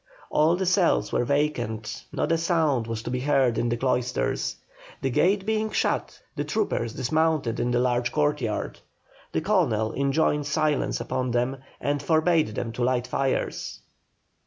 All the cells were vacant: not a sound was to be heard in the cloisters. The gate being shut the troopers dismounted in the large courtyard. The Colonel enjoined silence upon them, and forbade them to light fires.